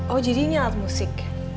oh jadi ini alat musik